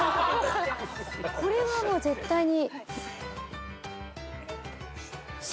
これはもう絶対に。